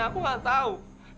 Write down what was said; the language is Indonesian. aku nggak tahu